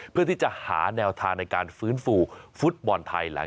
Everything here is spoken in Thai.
เพื่อที่จะหาแนวทางในการฟื้นฟูฟุตบอลไทย